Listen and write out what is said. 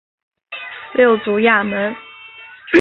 六足亚门。